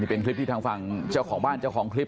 เป็นคลิปที่ทางฝั่งเจ้าของบ้านเจ้าของคลิป